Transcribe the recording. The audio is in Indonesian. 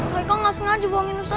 heikal gak sengaja bohongin ustazah